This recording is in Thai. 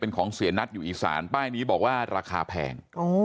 เป็นของเสียนัทอยู่อีสานป้ายนี้บอกว่าราคาแพง